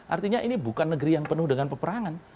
artinya ini bukan negeri yang penuh dengan peperangan